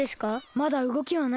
まだうごきはないね。